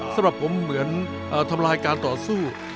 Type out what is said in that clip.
สำหรับผมเหมือนทำลายการต่อสู้